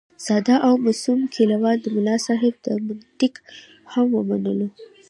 ساده او معصوم کلیوال د ملا صاحب دا منطق هم ومنلو.